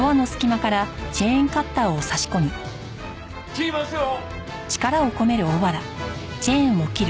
切りますよ！